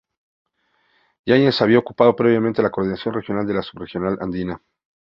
Yañez había ocupado previamente la coordinación regional de la subregional andina.